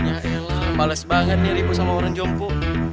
ya elah males banget nih ribu sama orang jompo